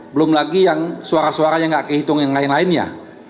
belum lagi yang suara suara yang gak kehitungan yang lain lain ya